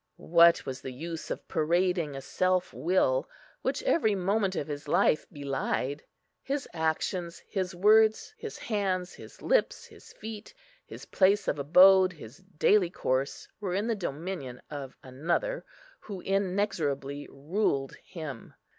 What was the use of parading a self will, which every moment of his life belied? His actions, his words, his hands, his lips, his feet, his place of abode, his daily course, were in the dominion of another, who inexorably ruled him.